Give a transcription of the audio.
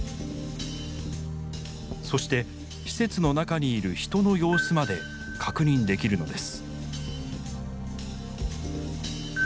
そして施設の中にいる人の様子まで確認できるのです。